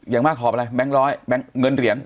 อย่างมากหอบอะไรแบงค์ร้อยแบงค์เงินเหรียญ